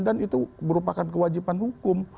dan itu merupakan kewajiban hukum